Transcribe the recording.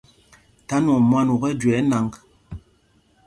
Tha nwɔŋ mwân u kɛ́ jüe ɛ́ nǎŋg.